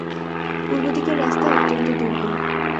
পূর্বদিকের রাস্তা অত্যন্ত দুর্গম।